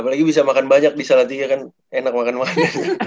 apalagi bisa makan banyak di salatiga kan enak makan makannya